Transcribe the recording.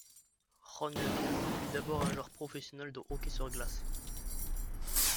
Ron Lemieux fut d'abord un joueur professionnel de hockey sur glace.